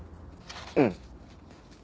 うん。